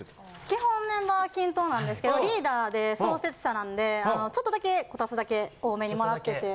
基本メンバー均等なんですけどリーダーで創設者なんであのちょっとだけこたつだけ多めに貰ってて。